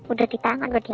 udah di tangan udah di atas